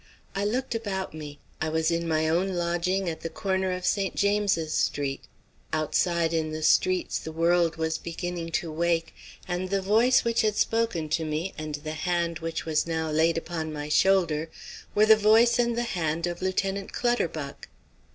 I looked about me; I was in my own lodging at the corner of St James's Street, outside in the streets the world was beginning to wake, and the voice which had spoken to me and the hand which was now laid upon my shoulder were the voice and the hand of Lieutenant Clutterbuck.